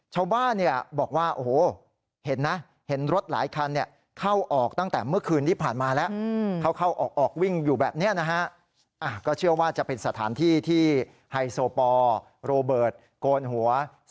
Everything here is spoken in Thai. ชาวบ้านบอกว่าโอ้โหเห็นนะเห็นรถหลายคันเข้าออกตั้งแต่เมื่อคืนที่ผ่านมาแล้ว